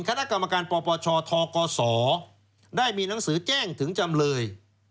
คกรปชทกศได้มีหนังสือแจ้งถึงจำเลย